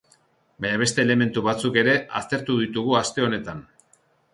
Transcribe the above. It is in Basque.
Baina beste elementu batzuk ere aztertu ditugu aste honetan.